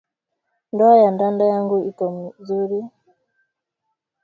Ndoa ya dada yangu iko muzuri nju beko na rima